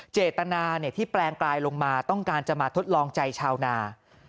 เจตนาที่แปลงกลายลงมาต้องการจะมาทดลองใจชาวนา